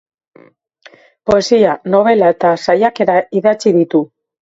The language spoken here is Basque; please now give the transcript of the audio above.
Poesia, nobela eta saiakera idatzi ditu.